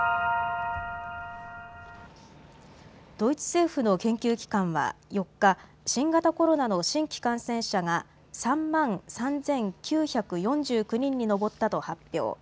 ドイツ政府の研究機関は４日、新型コロナの新規感染者が３万３９４９人に上ったと発表。